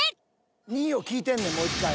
２位を聞いてんねんもう１回。